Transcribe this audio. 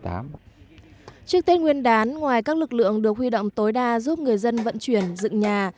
trước tết nguyên đán ngoài các lực lượng được huy động tối đa giúp người dân vận chuyển dựng nhà